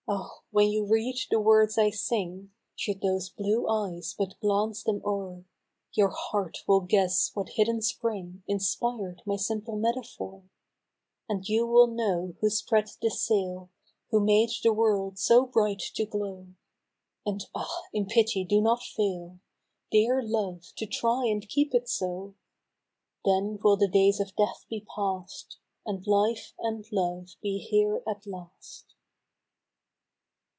Oh ! when you read the words I sing (Should those blue eyes but glance them o'er,) Your heart will guess what hidden spring Inspired my simple metaphor ; And you will know who spread the sail. Who made the world so bright to glow, And ah ! in pity do not fail Dear Love, to try and keep it so ! Then will the days of Death be past. And Life and Love be here at last